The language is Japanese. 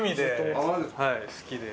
はい好きで。